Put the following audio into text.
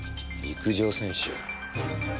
陸上選手。